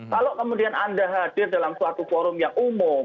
kalau kemudian anda hadir dalam suatu forum yang umum